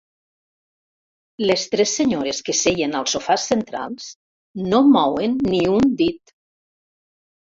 Les tres senyores que seien als sofàs centrals no mouen ni un dit.